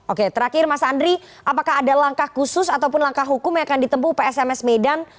oke terakhir mas andri apakah ada langkah khusus ataupun langkah hukum yang akan ditempu psms medan